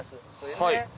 はい。